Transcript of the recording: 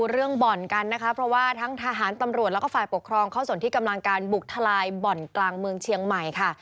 เรื่องบ่อนกันนะคะเพราะว่าทั้งทหารตำรวจแล้วก็ฝ่ายปกครองเข้าส่วนที่กำลังการบุกทลายบ่อนกลางเมืองเชียงใหม่ค่ะ